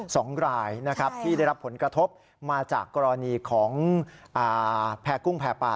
สองรายนะครับที่ได้รับผลกระทบมาจากกรณีของอ่าแพร่กุ้งแพร่ป่า